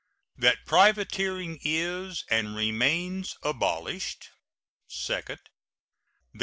That privateering is and remains abolished. Second.